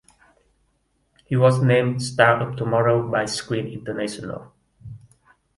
He was named "Star of Tomorrow" by Screen International.